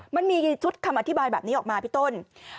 มันมีชุดคำอธิบายแบบนี้ออกมาพี่ต้น